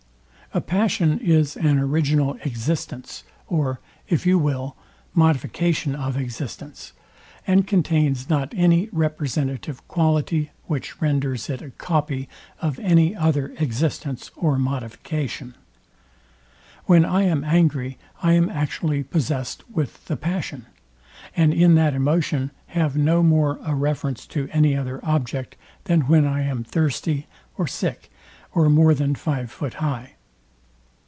A passion is an original existence, or, if you will, modification of existence, and contains not any representative quality, which renders it a copy of any other existence or modification. When I am angry, I am actually possest with the passion, and in that emotion have no more a reference to any other object, than when I am thirsty, or sick, or more than five foot high.